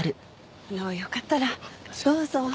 あのよかったらどうぞ。